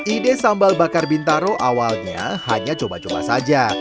ide sambal bakar bintaro awalnya hanya coba coba saja